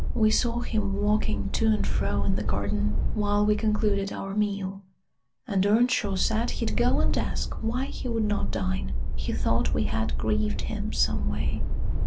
We saw him walking to and fro in the garden, while we concluded our meal; and Earnshaw said he'd go and ask why he would not dine; he thought we had grieved him some way.